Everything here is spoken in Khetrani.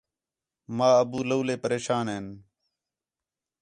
ماں، ابو لَولے پریشان ہِن